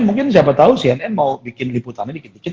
mungkin siapa tahu cnn mau bikin liputannya dikit dikit